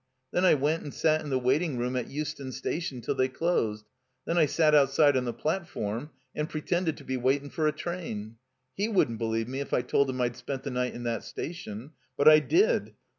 Then I went and sat in the waiting room at Euston Station till they closed. Then I sat outside on the platform and pretended to be waitin' for a train. He wouldn't believe me if I told him I'd spent the night in that station. But I did.